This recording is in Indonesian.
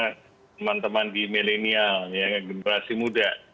karena teman teman di milenial generasi muda